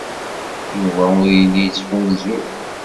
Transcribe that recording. Yuba ur yelli yettfunzur.